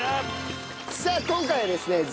さあ今回はですね